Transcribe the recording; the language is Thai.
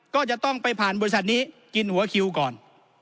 ก็จะต้องไปผ่านบริษัทนี้กินหัวคิวก่อน